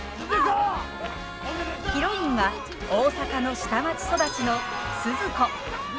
ヒロインは大阪の下町育ちのスズ子。